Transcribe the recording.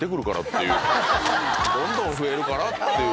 どんどん増えるからっていう。